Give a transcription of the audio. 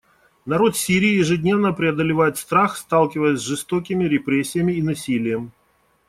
Народ Сирии ежедневно преодолевает страх, сталкиваясь с жестокими репрессиями и насилием.